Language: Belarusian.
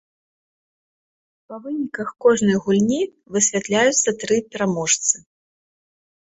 Па выніках кожнай гульні высвятляюцца тры пераможцы.